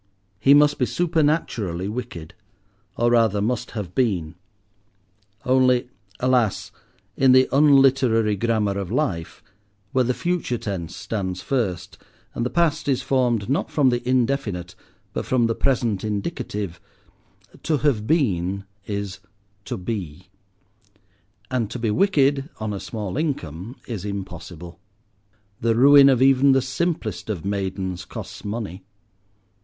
He must be supernaturally wicked—or rather must have been; only, alas! in the unliterary grammar of life, where the future tense stands first, and the past is formed, not from the indefinite, but from the present indicative, "to have been" is "to be"; and to be wicked on a small income is impossible. The ruin of even the simplest of maidens costs money.